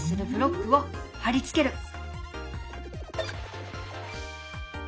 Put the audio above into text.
ブロックを貼り付ける。